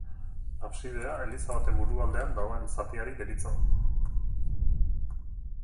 Absidea eliza baten burualdean dagoen zatiari deritzo.